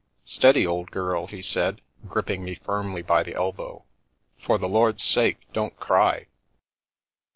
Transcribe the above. " Steady, old girl 1 " he said, gripping me firmly by the elbow, " for the Lord's sake don't cry